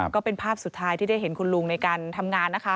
ก็เป็นภาพสุดท้ายที่ได้เห็นคุณลุงในการทำงานนะคะ